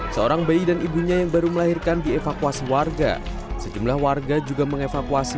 seorang bayi dan ibunya yang baru melahirkan dievakuasi warga sejumlah warga juga mengevakuasi